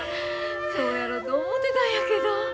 そうやろと思てたんやけど。